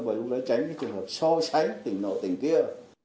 và dùng để tránh trường hợp so sánh tỉnh nào tỉnh kia